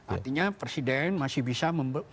artinya presiden masih bisa